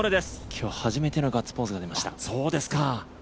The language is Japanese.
今日初めてのガッツポーズが出ました。